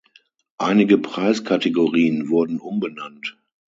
Einige Preiskategorien wurden umbenannt.